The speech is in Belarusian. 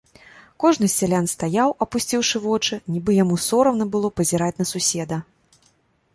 Кожны з сялян стаяў, апусціўшы вочы, нібы яму сорамна было пазіраць на суседа.